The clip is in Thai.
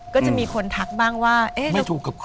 ก็จะมีคนทักบ้างว่า